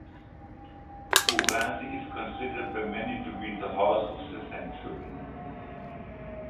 Ourasi is considered by many to be the Horse of the Century.